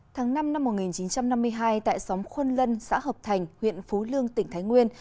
tháng năm năm một nghìn chín trăm năm mươi hai tại xóm khuôn lân xã hợp thành huyện phú lương tỉnh thái nguyên